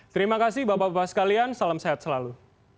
terima kasih bapak bapak sekalian salam sehat selalu